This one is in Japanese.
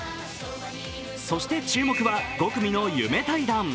そして注目は、５組の夢対談。